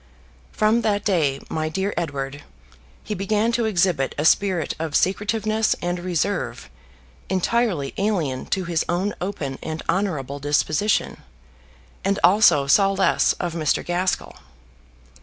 From that day, my dear Edward, he began to exhibit a spirit of secretiveness and reserve entirely alien to his own open and honourable disposition, and also saw less of Mr. Gaskell.